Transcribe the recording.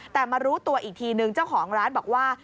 แต่มารู้ตัวอีกทีนึงเจ้าของร้านบอกว่า